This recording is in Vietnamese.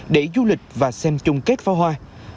để du lịch và xem chung kết pháo hoa